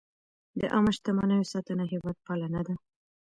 د عامه شتمنیو ساتنه هېوادپالنه ده.